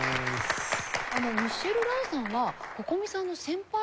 ミッシェル藍さんはＣｏｃｏｍｉさんの先輩だそうですね。